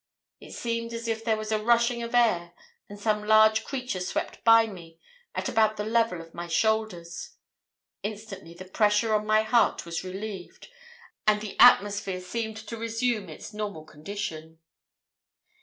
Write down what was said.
It seemed as if there was a rushing of air and some large creature swept by me at about the level of my shoulders. Instantly the pressure on my heart was relieved, and the atmosphere seemed to resume its normal condition.